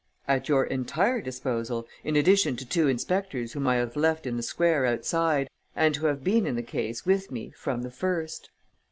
"At your entire disposal, in addition to two inspectors whom I have left in the square outside and who have been in the case, with me, from the first."